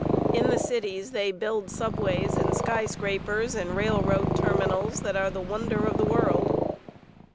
In the cities they build subways and skyscrapers and railroad terminals that are the wonder of the world.